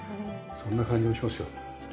そんな感じもしますよ。